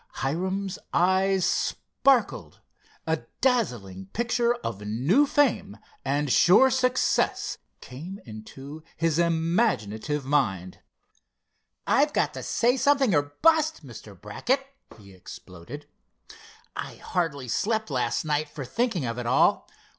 Hiram's eyes sparkled. A dazzling picture of new fame and sure success came into his imaginative mind. "I've got to say something or bust, Mr. Brackett!" he exploded. "I hardly slept last night for thinking of it all.